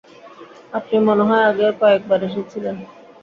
আপনি মনে হয় আগেও কয়েক বার এসেছিলেন?